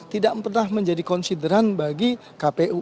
tidak pernah menjadi konsideran bagi kpu